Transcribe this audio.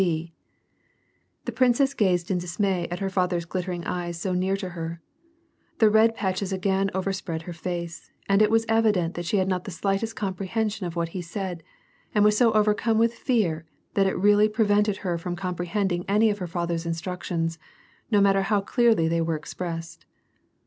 — The princess gazed in dismay at her father's glittering eyes so near to her ; the red patches again overspread her face, and it was evident that she had not the slightest comprehension of what he said, and was so overcome with fear that it really prevented her from comprehending any of her father's instructions, no matter how clearly they were expressed.